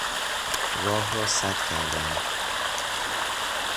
راه را سد کردند.